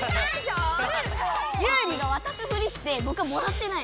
ユウリがわたすフリしてぼくはもらってない。